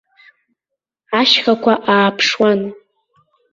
Ашьхақәа ааԥшуан.